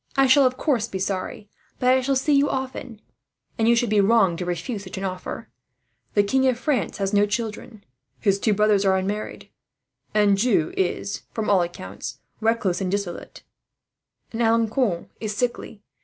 I shall of course be sorry; but I shall see you often, and you would be wrong to refuse such an offer. The King of France has no children. His two brothers are unmarried. Anjou is, from all accounts, reckless and dissolute; and Alencon is sickly.